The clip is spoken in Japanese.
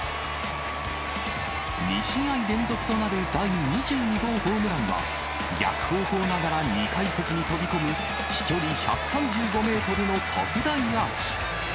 ２試合連続となる第２２号ホームランは、逆方向ながら２階席に飛び込む飛距離１３５メートルの特大アーチ。